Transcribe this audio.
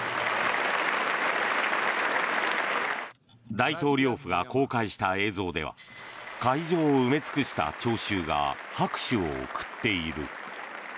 大統領府が公開した映像では会場を埋め尽くした聴衆が拍手を送っている。